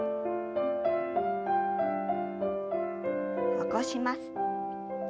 起こします。